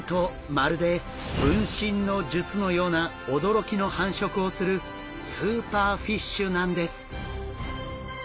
まるで分身の術のような驚きの繁殖をするスーパーフィッシュなんです！